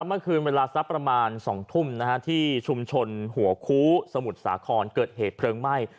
เมื่อคืนเวลาสักประมาณ๒ทุ่มที่ชุมชนหัวคู้สมุทรสาครเกิดเหตุเพลิงไหม้